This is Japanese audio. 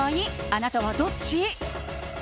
あなたはどっち？